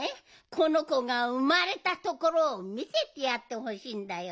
このこがうまれたところをみせてやってほしいんだよ。